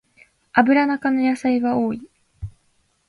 アブラナ科の野菜は多い